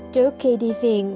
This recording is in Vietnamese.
trước khi đi viện